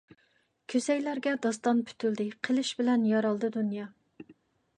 كۈسەيلەرگە داستان پۈتۈلدى، قىلىچ بىلەن يارالدى دۇنيا.